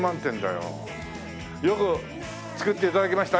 よく作って頂きました。